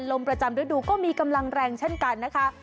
ลมประจำฤดูก็มีกำลังแรงเช่นกันนะคะ